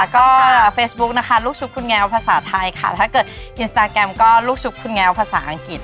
ก็เฟซบุ๊กนะคะลูกชุบคุณแงวภาษาไทยค่ะถ้าเกิดอินสตาแกรมก็ลูกชุบคุณแงวภาษาอังกฤษ